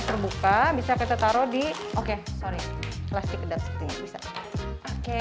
terbuka bisa kita taruh di oke sorry plastik kedap seperti ini bisa oke